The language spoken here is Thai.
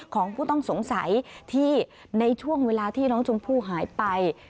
ของผู้ต้องสงสัยที่ในช่วงเวลาที่น้องชมพู่หายไป